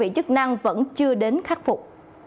chức năng vẫn chưa đến khắc phục